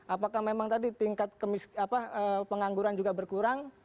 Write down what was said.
apakah memang tadi tingkat pengangguran juga berkurang